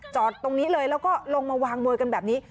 จอดตรงนี้เลยแล้วก็ลงมาวางมวยกันแบบนี้